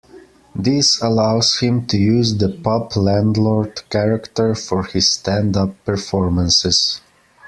This allows him to use the 'Pub Landlord' character for his stand-up performances.